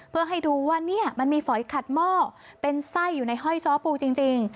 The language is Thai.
เพื่อให้ดูว่าเนี่ยมันมีฝอยขัดหม้อเป็นไส้อยู่ในห้อยซ้อปูจริง